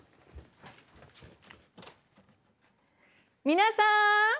皆さん！